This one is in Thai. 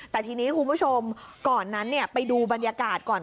แต่ทีนี้คุณผู้ชมก่อนนั้นไปดูบรรยากาศก่อน